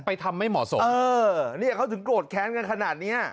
ไปทำให้หมอส่งเออเนี่ยเขาถึงโกรธแค้นกันขนาดเนี้ย